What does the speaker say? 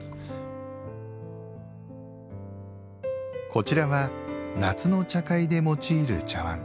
こちらは夏の茶会で用いる茶わん。